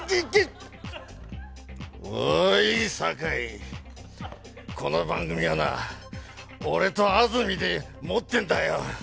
おい堺、この番組はな俺と安住でもってるんだよ。